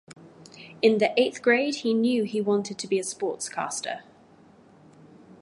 In the eighth grade he knew he wanted to be a sportscaster.